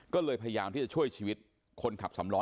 ก็เลยพยายามที่จะช่วยชีวิตคนขับสำล้อ